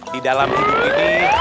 di dalam hidup ini